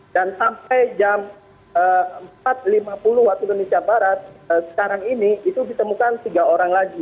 dan sampai jam empat lima puluh waktu indonesia barat sekarang ini itu ditemukan tiga orang lagi